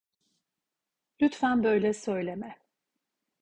Lütfen böyle söyleme.